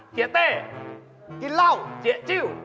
เจี๊ยะจิ้ว